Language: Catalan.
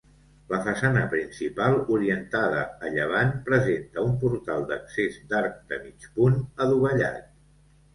La façana principal, orientada a llevant, presenta un portal d'accés d'arc de mig punt adovellat.